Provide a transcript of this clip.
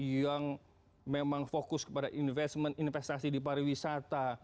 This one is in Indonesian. yang memang fokus kepada investment investasi di pariwisata